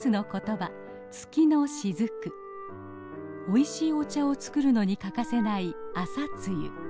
おいしいお茶を作るのに欠かせない朝露。